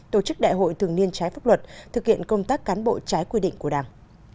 tổ chức đại hội thường niên trái pháp luật thực hiện công tác cán bộ trái quy định của đảng